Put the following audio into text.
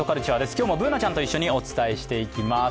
今日もＢｏｏｎａちゃんと一緒にお伝えしていきます。